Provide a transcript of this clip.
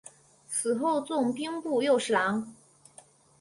死后赠兵部右侍郎。